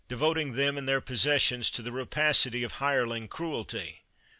216 CHATHAM voting them and their possessions to the rapac ity of hireling cruelty